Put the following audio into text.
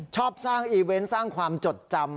ชอบสร้างอีเวนต์สร้างความจดจำ